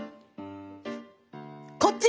こっち！